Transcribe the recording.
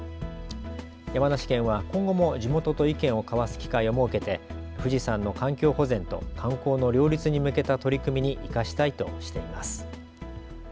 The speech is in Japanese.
山梨県は今後も地元と意見を交わす機会を設けて、富士山の環境保全と観光の両立に向けた取り組みに生かしたいとしています。